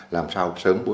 làm sao sớm bố trí được